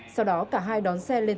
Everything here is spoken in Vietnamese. sau đó cả hai đón xe lên